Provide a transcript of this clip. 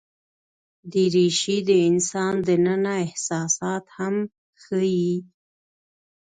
دریشي د انسان دننه احساسات هم ښيي.